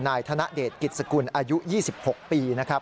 นายธนเดชกิจสกุลอายุ๒๖ปีนะครับ